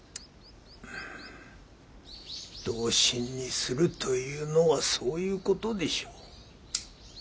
同心にするというのはそういうことでしょう。